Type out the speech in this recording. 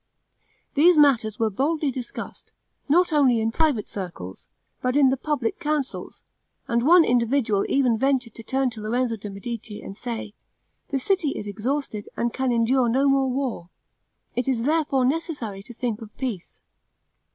These matters were boldly discussed, not only in private circles, but in the public councils; and one individual even ventured to turn to Lorenzo de' Medici, and say, "The city is exhausted, and can endure no more war; it is therefore necessary to think of peace."